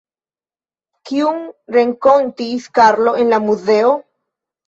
Kiun renkontis Karlo en la muzeo?